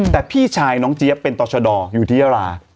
แต่พี่ชายน้องเจี๊ยบเป็นต่อชะดออยู่ที่ยารา